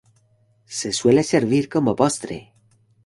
Se suele servir como postre.